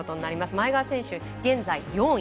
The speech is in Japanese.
前川選手、現在４位。